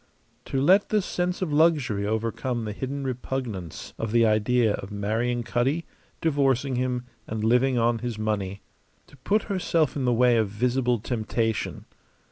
To let the sense of luxury overcome the hidden repugnance of the idea of marrying Cutty, divorcing him, and living on his money. To put herself in the way of visible temptation.